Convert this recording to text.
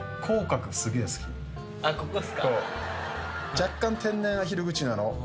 若干天然アヒル口なの。